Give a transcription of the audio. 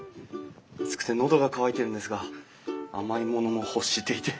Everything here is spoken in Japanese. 暑くて喉が渇いてるんですが甘いものも欲していて。